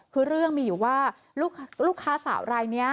คือเรื่องมีอยู่ว่าลูกค้าสาวรายนี้